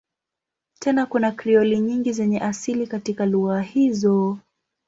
Tena kuna Krioli nyingi zenye asili katika lugha hizo.